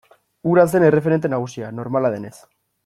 Hura zen erreferente nagusia, normala denez.